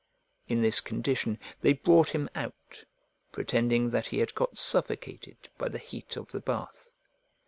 In this condition they brought him out, pretending that he had got suffocated by the heat of the bath.